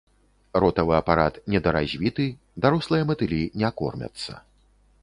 Ротавы апарат недаразвіты, дарослыя матылі не кормяцца.